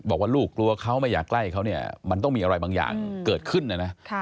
บอกว่าลูกกลัวเขาไม่อยากใกล้เขาเนี่ยมันต้องมีอะไรบางอย่างเกิดขึ้นนะนะ